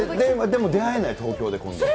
でも出会えない、東京で、今度。